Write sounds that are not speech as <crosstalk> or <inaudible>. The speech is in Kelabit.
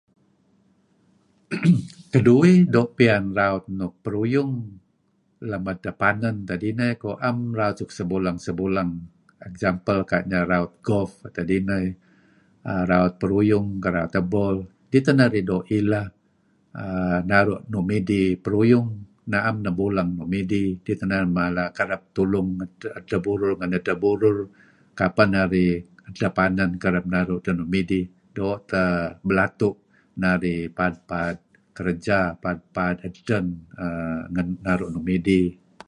<coughs> Tulu uih doo' piyan raut nuk pruyung lm edteh panen tad inih. May ko am raut suk sebulang-sebulang. Example renga' narih raut golf edad ineh. Raut peruyung kayu' raut ebol dih tsn nsrih doo' ileh uhm naru' nuk midih peruyung. Naem nebuleng nuk midih. Kidih teh narih mala kerab tulung edteh burur ngn dteh burur. Kapeh narih edteh panen kereb naru' edteh nuk midih doo' teh belatu' paad-paad kerja, paad eden naru' nuk midih.